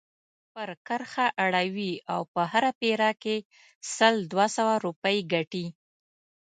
پر کرښه اړوي او په هره پيره کې سل دوه سوه روپۍ ګټي.